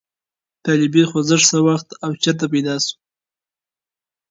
طالبي خوځښت څه وخت او چېرته پیدا شو؟